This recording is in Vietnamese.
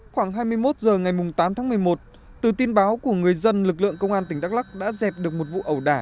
khoảng hai mươi một h ngày tám tháng một mươi một từ tin báo của người dân lực lượng công an tỉnh đắk lắc đã dẹp được một vụ ẩu đả